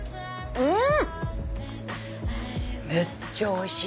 うん！